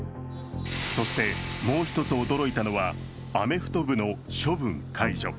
そして、もう一つ驚いたのはアメフト部の処分解除。